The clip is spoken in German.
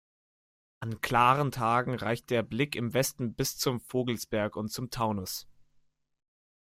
An klaren Tagen reicht der Blick im Westen bis zum Vogelsberg und zum Taunus.